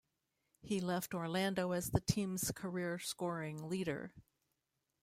He left Orlando as the team's career scoring leader.